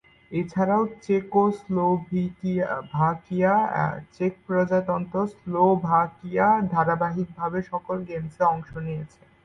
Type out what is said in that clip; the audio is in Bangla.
এছাড়াও চেকোস্লোভাকিয়া, চেক প্রজাতন্ত্র এবং স্লোভাকিয়া ধারাবাহিকভাবে সকল গেমসে অংশ নিয়েছে।